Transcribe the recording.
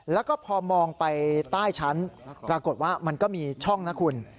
แล้วก็พอมองไปใต้ชั้นปรากฏว่ามันก็มีช่องนะคุณ